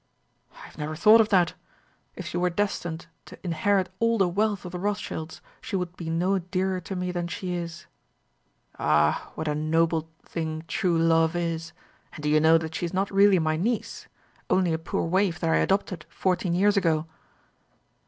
"I have never thought of that. If she were destined to inherit all the wealth of the Rothschilds, she could be no dearer to me than she is." "Ah, what a noble thing true love is! And do you know that she is not really my niece only a poor waif that I adopted fourteen years ago?"